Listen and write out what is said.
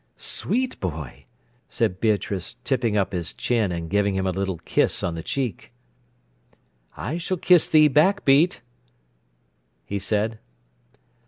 "Sweet boy!" said Beatrice, tipping up his chin and giving him a little kiss on the cheek. "I s'll kiss thee back, Beat," he said.